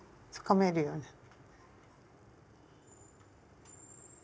つかめるように。